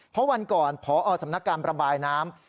เพราะวันก่อนพอสำนักการประบายน้ำ